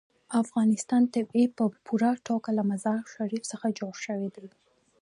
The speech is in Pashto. د افغانستان طبیعت په پوره توګه له مزارشریف څخه جوړ شوی دی.